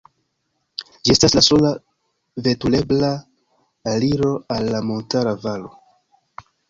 Ĝi estas la sola veturebla aliro al la montara valo.